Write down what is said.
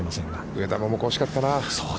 上田桃子、惜しかったな。